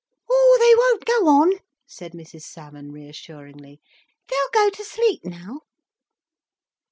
"Oh, they won't go on," said Mrs Salmon reassuringly. "They'll go to sleep now."